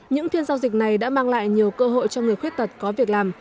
những phiên giao dịch này đã mang lại nhiều cơ hội cho người khuyết tật có việc làm